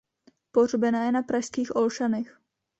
Pohřbena je na pražských Olšanech.